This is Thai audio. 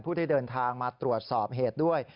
ได้เดินทางมาตรวจสอบเหตุด้วย